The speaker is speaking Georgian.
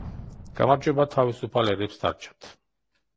გამარჯვება თავისუფალ ერებს დარჩათ.